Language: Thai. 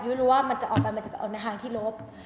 รู้ว่ามันจะออกไปมันจะออกมาทางที่รบ